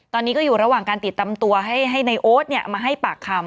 ตอนนี้ก็อยู่ระหว่างการติดตามตัวให้ในโอ๊ตมาให้ปากคำ